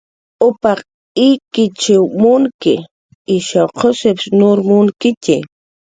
Upaq ikichw munki, ishaw qusp nur munkitxi